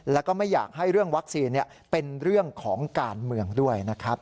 แล้วก็ไม่อยากให้เรื่องวัคซีนเป็นเรื่องของการเมืองด้วยนะครับ